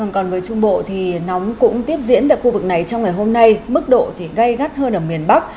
còn với trung bộ thì nóng cũng tiếp diễn tại khu vực này trong ngày hôm nay mức độ thì gây gắt hơn ở miền bắc